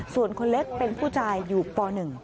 ส่วนคนเล็กเป็นผู้ชายอยู่ป๑